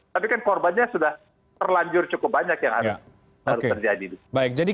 tapi kan korbannya sudah terlanjur cukup banyak yang harus terjadi